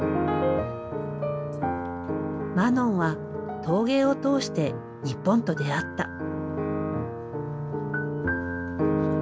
マノンは陶芸を通して日本と出会った。